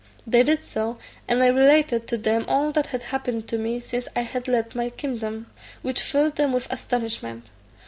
They did so, and I related to them all that had happened to me since I had left my kingdom, which filled them with astonishment.